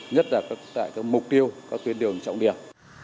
nhất là tại các mục tiêu các tuyến đường trọng điểm